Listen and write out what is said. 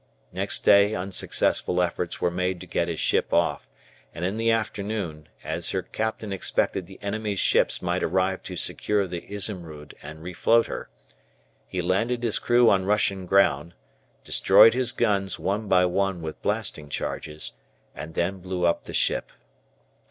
Next day unsuccessful efforts were made to get his ship off and in the afternoon, as her captain expected the enemy's ships might arrive to secure the "Izumrud" and refloat her, he landed his crew on Russian ground, destroyed his guns one by one with blasting charges, and then blew up the ship.